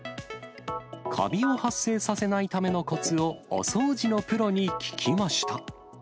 カビを発生させないためのコツを、お掃除のプロに聞きました。